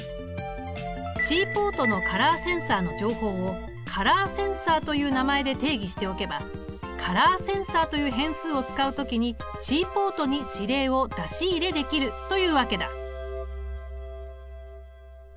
Ｃポートのカラーセンサーの情報を「ｃｏｌｏｒｓｅｎｓｏｒ」という名前で定義しておけば「ｃｏｌｏｒｓｅｎｓｏｒ」という変数を使う時にＣポートに指令を出し入れできるというわけだ。